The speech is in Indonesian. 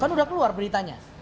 kan udah keluar beritanya